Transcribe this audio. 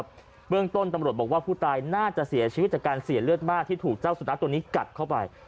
เบื้องต้นตำรวจบอกว่าผู้ตายน่าจะเสียชีวิตจากการเสียเลือดมากที่ถูกเจ้าสุนัขตัวนี้กัดเข้าไป